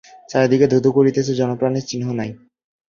চারি দিকে ধূ ধূ করিতেছে, জনপ্রাণীর চিহ্ন নাই।